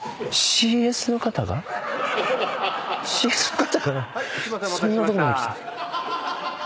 ＣＳの方がそんなとこまで来た？